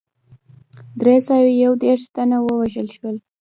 دری سوه یو دېرش تنه وژل شوي.